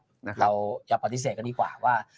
เราอย่าปฏิเสธก็ดีกว่าว่า